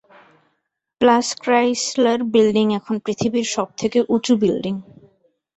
Plus Chrysler building এখন পৃথিবীর সবথেকে উঁচু বিল্ডিং।